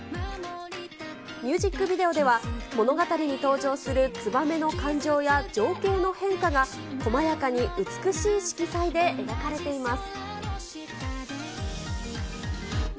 ミュージックビデオでは物語に登場するツバメの感情や、情景の変化が細やかに美しい色彩で描かれています。